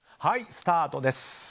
はい、スタートです。